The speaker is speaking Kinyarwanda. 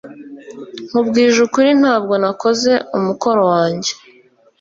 Nkubwije ukuri ntabwo nakoze umukoro wanjye